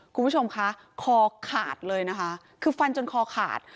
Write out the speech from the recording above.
คุณผู้ชมคะคอขาดเลยนะคะคือฟันจนคอขาด